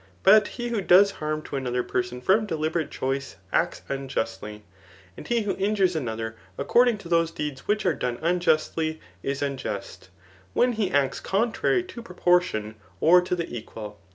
But he who does harm to another person from deliberate choice^ acts unjustly ; and he who injures another, according to .those deeds which are done unjustly, is unjust, when he acts contrary to proportion, or to the equal.